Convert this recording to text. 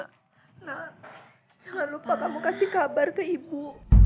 nah jangan lupa kamu kasih kabar ke ibu